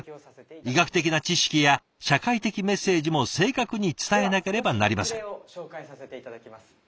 医学的な知識や社会的メッセージも正確に伝えなければなりません。